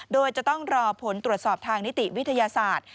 โดยจะต้องรอผลตรวจสอบทางนิติวิทยาศาสตร์